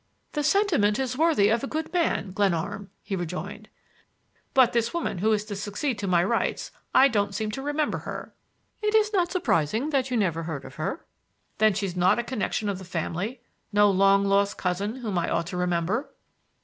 "The sentiment is worthy of a good man, Glenarm," he rejoined. "But this woman who is to succeed to my rights,—I don't seem to remember her." "It is not surprising that you never heard of her." "Then she's not a connection of the family,—no long lost cousin whom I ought to remember?"